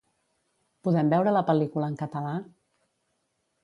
Podem veure la pel·lícula en català?